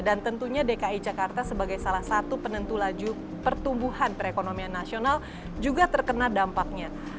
tentunya dki jakarta sebagai salah satu penentu laju pertumbuhan perekonomian nasional juga terkena dampaknya